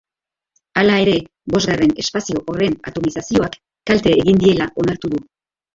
Hala ere, bosgarren espazio horren atomizazioak kalte egin diela onartu du.